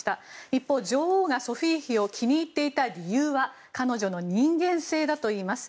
一方、女王がソフィー妃を気に入っていた理由は彼女の人間性だといいます。